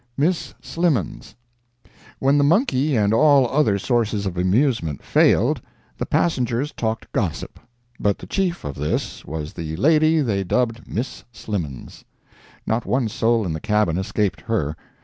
MISS SLIMMENS When the monkey and all other sources of amusement failed, the passengers talked gossip. But the chief of this was the lady they dubbed Miss Slimmens. Not one soul in the cabin escaped her.